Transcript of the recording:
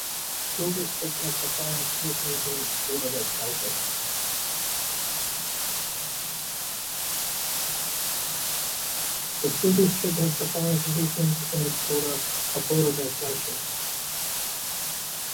The school district has the following positions in its Board of Education.